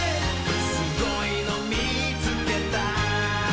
「すごいのみつけた」